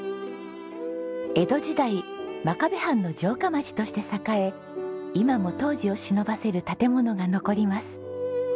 江戸時代真壁藩の城下町として栄え今も当時をしのばせる建物が残ります。